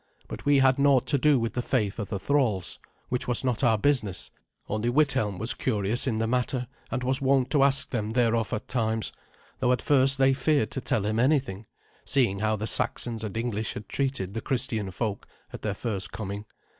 But we had naught to do with the faith of the thralls, which was not our business. Only Withelm was curious in the matter, and was wont to ask them thereof at times, though at first they feared to tell him anything, seeing how the Saxons and English had treated the Christian folk at their first coming.